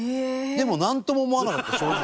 でもなんとも思わなかった正直。